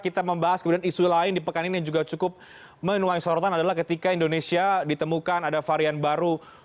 kita membahas kemudian isu lain di pekan ini juga cukup menuai sorotan adalah ketika indonesia ditemukan ada varian baru